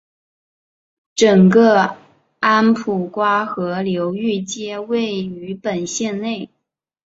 整个安普瓜河流域皆位于本县内。